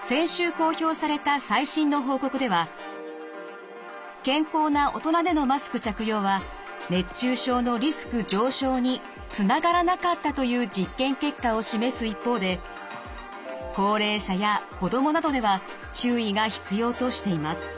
先週公表された最新の報告では健康な大人でのマスク着用は熱中症のリスク上昇につながらなかったという実験結果を示す一方で高齢者や子どもなどでは注意が必要としています。